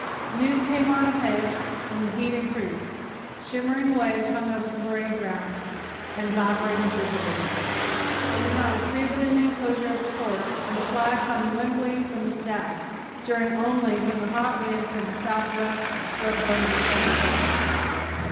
Noon came on apace and the heat increased. Shimmering waves hung over the parade ground and vibrated visibly. There was not a tree within the enclosure of the Fort, and the flag hung limply from the staff, stirring only when the hot wind from the south west swept over the sandy plains.